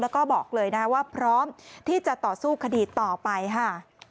แล้วก็บอกเลยนะว่าพร้อมที่จะต่อสู้คดีต่อไปค่ะ